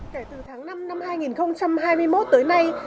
kể từ tháng năm năm hai nghìn hai mươi một tới nay